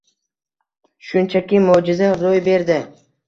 Shunchaki mo’jiza ro’y berdi.